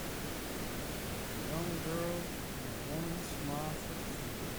a young girl and a woman smile for the camera.